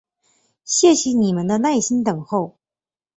谢谢你们的耐心等候！